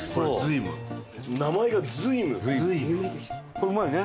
これうまいね！